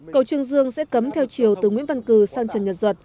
cầu trương dương sẽ cấm theo chiều từ nguyễn văn cử sang trần nhật duật